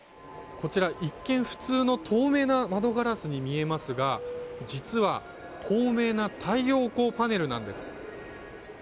こちら、一見普通の透明な窓ガラスに見えますが実は透明な太陽光パネルなんです。